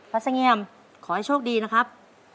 ป้าสะเงียมขอให้โชคดีนะครับ